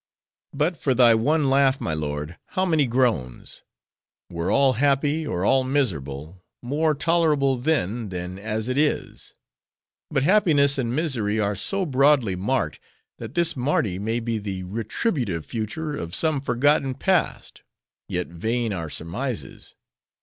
"But for thy one laugh, my lord, how many groans! Were all happy, or all miserable,—more tolerable then, than as it is. But happiness and misery are so broadly marked, that this Mardi may be the retributive future of some forgotten past.—Yet vain our surmises.